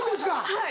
はい。